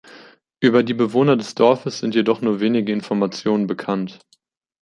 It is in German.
Über die Bewohner des Dorfes sind jedoch nur wenige Informationen bekannt.